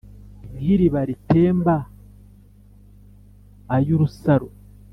nk'iriba ritemba ay'urusaro